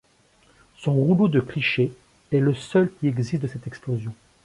Son rouleau de clichés est le seul qui existe de cette explosion.